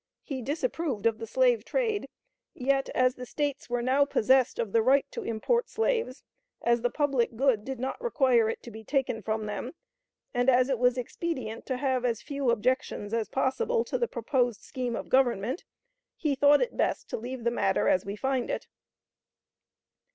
He disapproved of the slave trade; yet, as the States were now possessed of the right to import slaves, as the public good did not require it to be taken from them, and as it was expedient to have as few objections as possible to the proposed scheme of government, he thought it best to leave the matter as we find it."